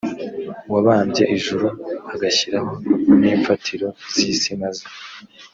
wabambye ijuru agashyiraho n imfatiro z isi maze